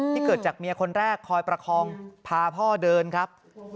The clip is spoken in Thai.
เกิดจากเมียคนแรกคอยประคองพาพ่อเดินครับ